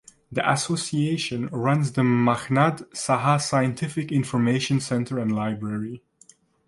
The association runs the Meghnad Saha Scientific Information Centre and Library.